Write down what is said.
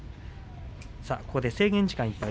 ここで制限時間いっぱい。